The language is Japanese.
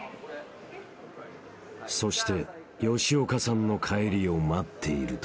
［そして吉岡さんの帰りを待っていると］